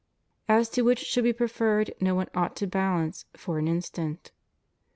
As to which should be preferred no one ought to balance for an instant.